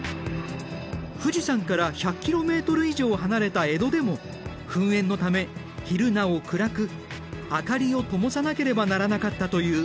富士山から１００ｋｍ以上離れた江戸でも噴煙のため昼なお暗く明かりをともさなければならなかったという。